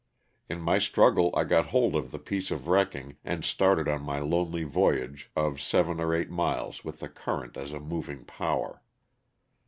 In my struggle I got hold of the piece of wrecking and started on my lonely voyage of seven or eight miles with the current as a moving power.